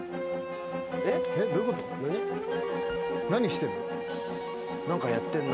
何してんの？